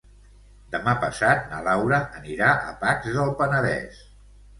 Demà passat na Laura anirà a Pacs del Penedès.